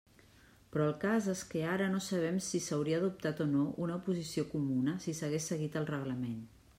Però el cas és que ara no sabem si s'hauria adoptat o no una posició comuna si s'hagués seguit el reglament.